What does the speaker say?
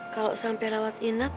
kalau sampe rawat inap